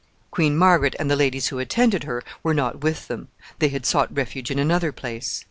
Queen Margaret and the ladies who attended her were not with them. They had sought refuge in another place.